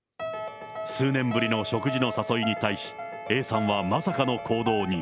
数年ぶりの食事の誘いに対し、Ａさんはまさかの行動に。